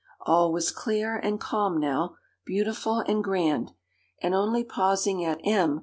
All was clear and calm now, beautiful and grand; and only pausing at M.